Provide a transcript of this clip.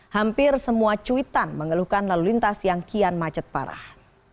hampir semua cuitan mengeluhkan lalu lintas yang kian macet parah